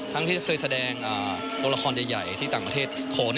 ทั้งที่เคยแสดงละครใหญ่ที่ต่างประเทศ